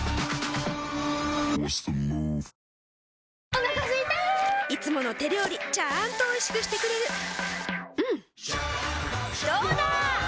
お腹すいたいつもの手料理ちゃんとおいしくしてくれるジューうんどうだわ！